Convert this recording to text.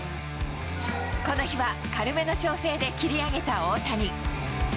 この日は軽めの調整で切り上げた大谷。